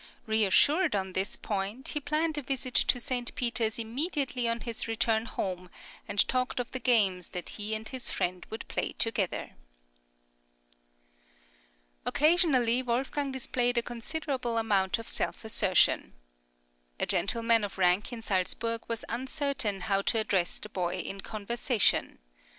Reassured on this point, he planned a visit to St. Peter's immediately on his return home, and talked of the games that he and his friend would play together. Occasionally, Wolfgang displayed a considerable amount of self assertion. A gentleman of rank in Salzburg was uncertain how to address the boy in conversation.